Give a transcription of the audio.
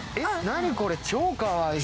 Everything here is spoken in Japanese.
何これ、超かわいい。